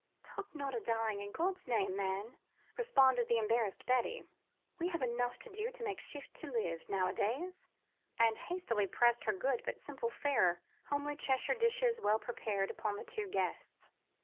"Talk not o' dying, in God's name, man," responded the embarrassed Betty, "we have enough to do to make shift to live, nowadays," and she hastily pressed her good but simple fare, homely Cheshire dishes well prepared, upon the two guests.